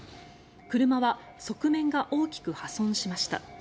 車は側面が大きく破損しました。